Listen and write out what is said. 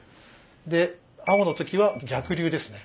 で青の時は逆流ですね。